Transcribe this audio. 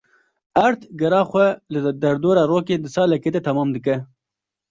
Erd gera xwe li derdora rokê di salekê de temam dike.